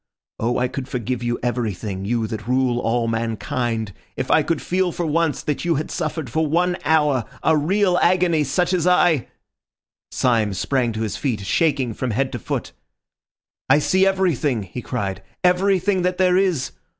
Oh, I could forgive you everything, you that rule all mankind, if I could feel for once that you had suffered for one hour a real agony such as I—" Syme sprang to his feet, shaking from head to foot. "I see everything," he cried, "everything that there is.